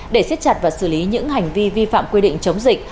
để siết chặt và xử lý những hành vi vi phạm quy định chống dịch